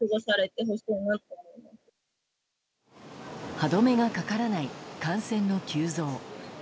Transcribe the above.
歯止めがかからない感染の急増。